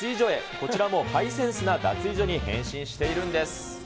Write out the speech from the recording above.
こちらもハイセンスな脱衣所に変身しているんです。